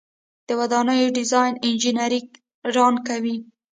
د ودانیو ډیزاین انجنیران کوي